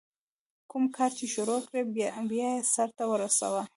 کوم کار چي شروع کړې، بیا ئې سر ته رسوه.